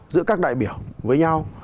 giữa các đại biểu với nhau